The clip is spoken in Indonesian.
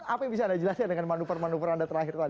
apa yang bisa anda jelaskan dengan manuver manuver anda terakhir tadi